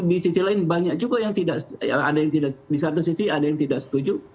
di sisi lain banyak juga yang tidak setuju